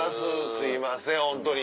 すいませんホントに。